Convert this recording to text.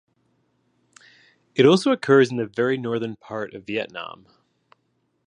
It also occurs in the very northern part of Vietnam.